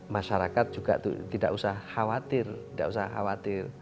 masyarakat juga tidak usah khawatir tidak usah khawatir